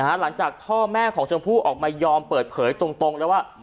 หลังจากพ่อแม่ของชมพู่ออกมายอมเปิดเผยตรงแล้วว่า